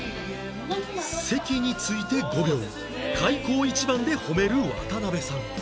席について５秒開口一番で褒める渡辺さん